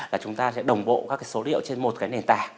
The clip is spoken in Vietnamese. là chúng ta sẽ đồng bộ các cái số liệu trên một cái nền tảng